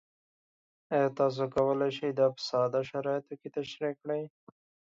ایا تاسو کولی شئ دا په ساده شرایطو کې تشریح کړئ؟